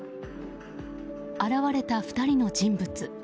現れた２人の人物。